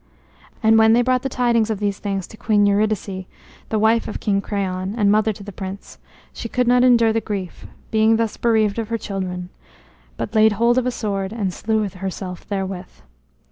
And when they brought the tidings of these things to Queen Eurydice, the wife of King Creon and mother to the prince, she could not endure the grief, being thus bereaved of her children, but laid hold of a sword and slew herself therewith.